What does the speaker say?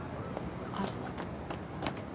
あっ。